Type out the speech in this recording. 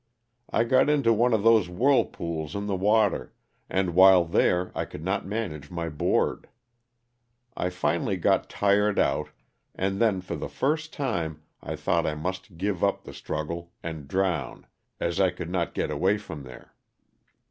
I got into one of those whirl pools in the water, and while there I could not manage my board. I finally got tired out, and then for the first time I thought I must give up the struggle and drown as I could not get away from there.